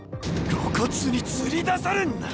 露骨に釣り出されんな！